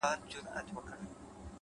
هره تجربه د راتلونکي لارښود ګرځي!